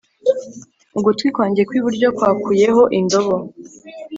ugutwi kwanjye kw'iburyo kwakuyeho indobo